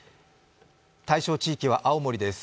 対象地域は青森です。